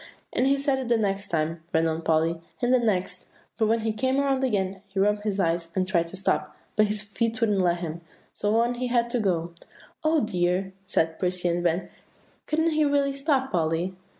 "And he said it the next time," ran on Polly, "and the next; but when he came around again, he rubbed his eyes, and tried to stop, but his feet wouldn't let him; so on he had to go." "Oh, dear!" said Percy and Van, "couldn't he really stop, Polly?"